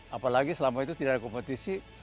apalagi selama itu tidak ada kompetisi